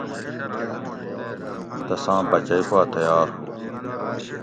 تساں بچئ پا تیار ھو